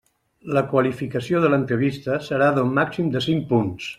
La qualificació de l'entrevista serà d'un màxim de cinc punts.